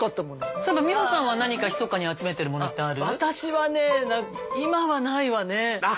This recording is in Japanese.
そういえば美穂さんは何かひそかに集めてるものってある？